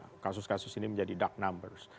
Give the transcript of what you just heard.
sehingga kasus kasus ini menjadi dark numbers